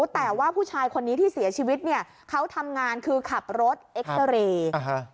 แต่ว่าผู้ชายคนนี้ที่เสียชีวิตเขาทำงานคือขับรถเอ็กเตอร์เรย์